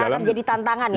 yang akan jadi tantangan ya